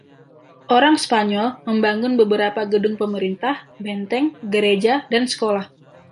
Orang Spanyol membangun beberapa gedung pemerintah, benteng, gereja, dan sekolah.